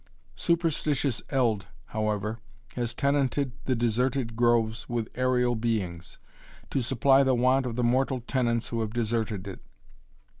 Superstitious eld, however, has tenanted the deserted groves with aerial beings, to supply the want of the mortal tenants who have deserted it.